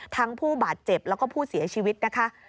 ผู้บาดเจ็บแล้วก็ผู้เสียชีวิตนะคะ